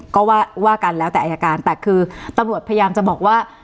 ก็ว่ากันแล้วแต่อายการแต่คือตำรวจพยายามจะบอกว่า